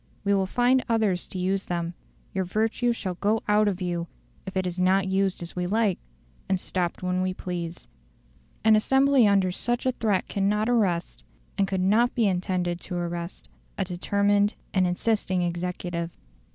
We will find others to use them; your virtue shall go out of you if it is not used as we like, and stopped when we please." An assembly under such a threat cannot arrest, and could not be intended to arrest, a determined and insisting executive.